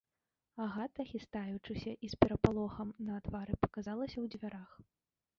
Агата, хістаючыся і з перапалохам на твары, паказалася ў дзвярах.